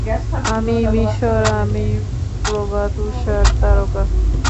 আমিই মিশর, আমি প্রভাত-ঊষার তারকা।